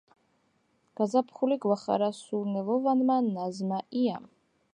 გაზაფხული გვახარა სურნელოვანმა ნაზმა იამ